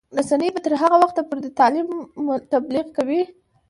رسنۍ به تر هغه وخته پورې د تعلیم تبلیغ کوي.